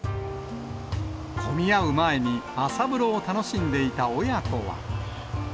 混み合う前に朝風呂を楽しんでいた親子は。